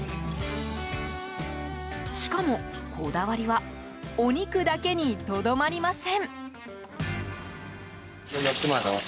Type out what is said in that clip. しかもこだわりはお肉だけにとどまりません。